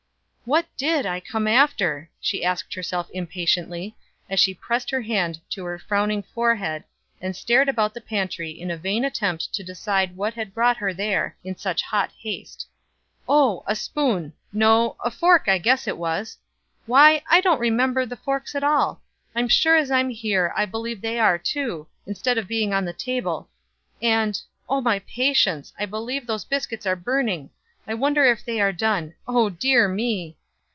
"What did I come after?" she asked herself impatiently, as she pressed her hand to her frowning forehead, and stared about the pantry in a vain attempt to decide what had brought her there in such hot haste. "Oh, a spoon no, a fork, I guess it was. Why, I don't remember the forks at all. As sure as I'm here, I believe they are, too, instead of being on the table; and Oh, my patience, I believe those biscuits are burning. I wonder if they are done. Oh, dear me!"